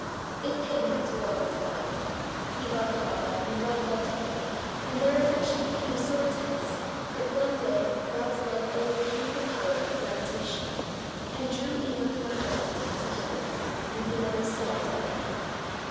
It paid him to walk with God. He loved God and God loved him, and their affection became so intense that one day God's love overcame the power of gravitation, and drew Enoch from earth to heaven and he never saw death.